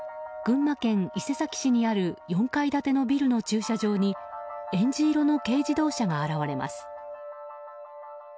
群馬県伊勢崎市にある４階建てのビルの駐車場にえんじ色の軽自動車が現れます。